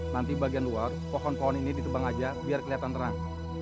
nanti bagian luar pohon pohon ini ditebang aja biar kelihatan terang